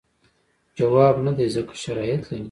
ځواب نه دی ځکه شرایط لري.